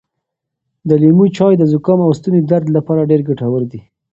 د لیمو چای د زکام او ستوني درد لپاره ډېر ګټور دی.